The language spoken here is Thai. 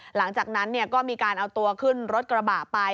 หลังจากนั้นก็มีการเอาตัวขึ้นรถกระบะไป